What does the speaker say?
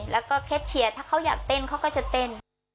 แล้วก็แคทเชียร์ถ้าเขาอยากเต้นเขาก็จะเต้น